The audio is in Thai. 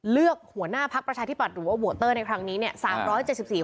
เลือกหัวหน้าพักประชาธิบัตย์หรือว่าโวเตอร์ในครั้งนี้เนี่ย